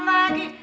ya dia mulut lagi